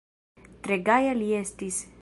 Tre gaja li estis.